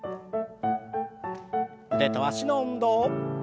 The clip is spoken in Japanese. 腕と脚の運動。